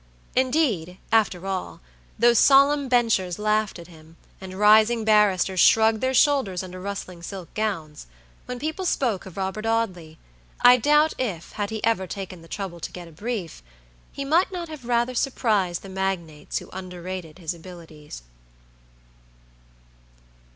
Indeed, after all, though solemn benchers laughed at him, and rising barristers shrugged their shoulders under rustling silk gowns, when people spoke of Robert Audley, I doubt if, had he ever taken the trouble to get a brief, he might not have rather surprised the magnates who underrated his abilities.